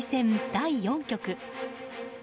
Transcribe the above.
第４局。